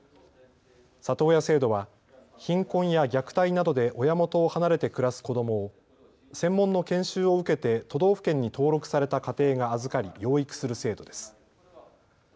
里親制度は貧困や虐待などで親元を離れて暮らす子どもを専門の研修を受けて都道府県に登録された家庭が預かり養育する制度です。